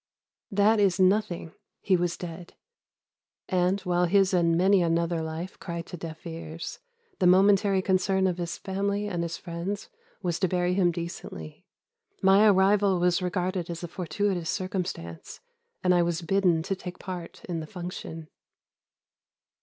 That is nothing, he was dead; and, while his and many another life cry to deaf ears, the momentary concern of his family and his friends was to bury him decently. My arrival was regarded as a fortuitous circumstance, and I was bidden to take part in the function.